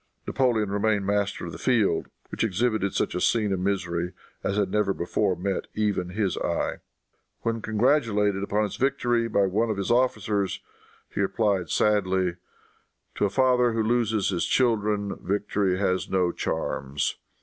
Napoleon remained master of the field, which exhibited such a scene of misery as had never before met even his eye. When congratulated upon his victory by one of his officers he replied sadly, "To a father who loses his children, victory has no charms.